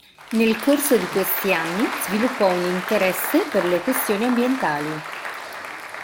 Nel corso di questi anni, sviluppò un interesse per le questioni ambientali.